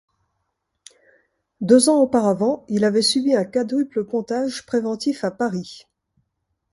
Deux ans auparavant, il avait subi un quadruple pontage préventif à Paris.